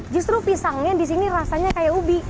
justru pisangnya di sini rasanya kayak ubi